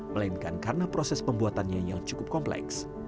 melainkan karena proses pembuatannya yang cukup kompleks